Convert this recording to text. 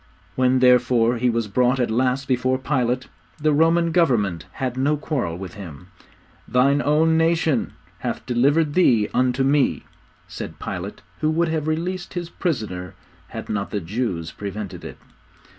When, therefore, He was brought at last before Pilate, the Roman Government had no quarrel with Him. 'Thine own nation ... hath delivered Thee unto me,' said Pilate who would have released his prisoner, had not the Jews prevented it.